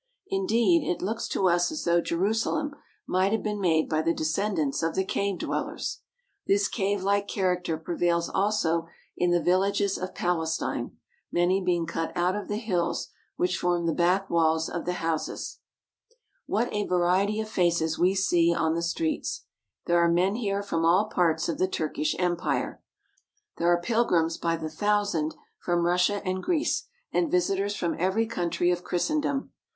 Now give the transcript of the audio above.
Indeed, it looks to us as though Jerusalem might have been made by the descendants of the cave dwellers. This cavelike character prevails also in the vil lages of Palestine, many being cut out of the hills, which form the back walls of the houses. What a variety of f.aces we see on the streets ! There roofed over by the second stories of the houses." 356 ASIATIC TURKEY are men here from all parts of the Turkish Empire. There are pilgrims by the thousand from Russia and Greece and visitors from every country of Christendom.